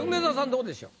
どうでしょう？